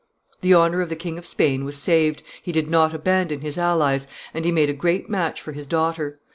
The honor of the King of Spain was saved, he did not abandon his allies, and he made a great match for his daughter.